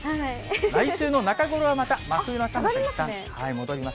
来週の中頃、また真冬の寒さにいったん戻ります。